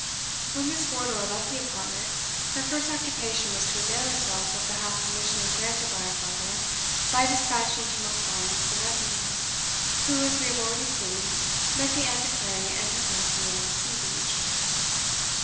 When Miss Wardour left the apartment, her first occupation was to avail herself of the half permission granted by her father, by despatching to Monkbarns the messenger, who, as we have already seen, met the Antiquary and his nephew on the sea beach.